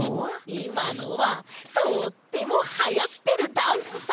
いまのはとってもはやってるダンスさ！